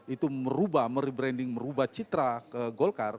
itu merubah merebranding merubah citra ke golkar